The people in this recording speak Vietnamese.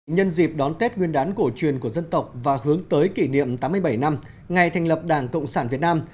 nhân dịp đón tết nguyên đán cổ truyền của dân tộc và hướng tới kỷ niệm tám mươi bảy năm ngày thành lập đảng cộng sản việt nam